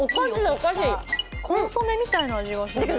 コンソメみたいな味がする。